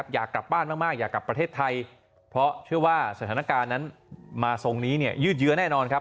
อยากกลับบ้านมากอยากกลับประเทศไทยเพราะเชื่อว่าสถานการณ์นั้นมาทรงนี้เนี่ยยืดเยื้อแน่นอนครับ